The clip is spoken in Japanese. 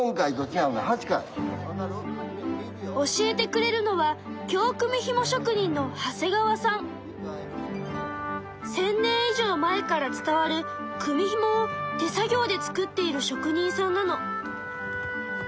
教えてくれるのは１，０００年以上前から伝わるくみひもを手作業で作っている職人さんなの。